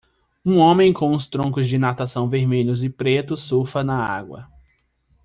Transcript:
Um homem com os troncos de natação vermelhos e pretos surfa na água.